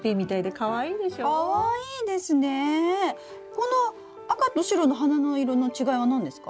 この赤と白の花の色の違いは何ですか？